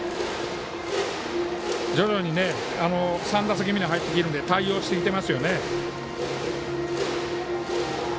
徐々に３打席目に入ってきているので対応してきていますよね。